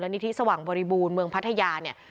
นิธิสว่างบริบูรณ์เมืองพัทยาเนี่ย